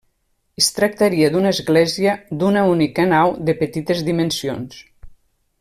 Es tractaria d'una església d'una única nau de petites dimensions.